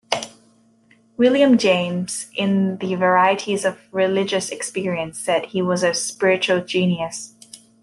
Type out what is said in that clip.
William James, in "The Varieties of Religious Experience" said he was a 'spiritual genius'.